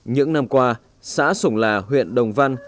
những năm qua xã sùng là huyện đồng văn